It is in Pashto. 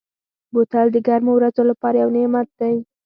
بوتل د ګرمو ورځو لپاره یو نعمت دی.